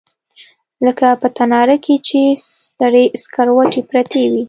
لکه په تناره کښې چې سرې سکروټې پرتې وي.